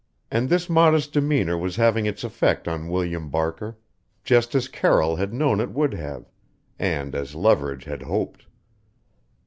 And this modest demeanor was having its effect on William Barker, just as Carroll had known it would have, and as Leverage had hoped.